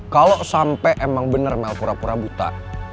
kalo sampe emang bener mel pura pura buta